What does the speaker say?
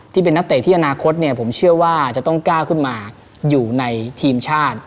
ที่เป็นนักเตะที่อนาคตเนี่ยผมเชื่อว่าจะต้องก้าวขึ้นมาอยู่ในทีมชาติ